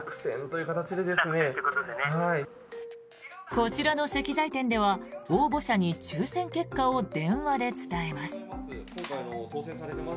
こちらの石材店では応募者に抽選結果を電話で伝えます。